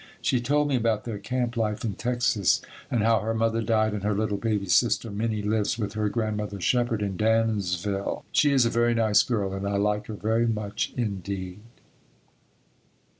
She told me about their camp life in Texas and how her mother died, and her little baby sister, Minnie, lives with her Grandmother Sheppard in Dansville. She is a very nice girl and I like her very much, indeed.